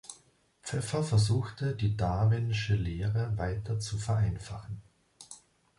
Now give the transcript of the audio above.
Pfeffer versuchte die Darwin’sche Lehre weiter zu vereinfachen.